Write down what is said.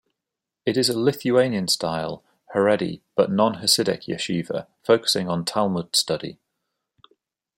It is a Lithuanian-style, Haredi but non-Hasidic yeshiva focusing on Talmud study.